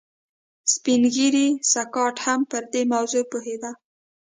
سپین ږیری سکاټ هم پر دې موضوع پوهېده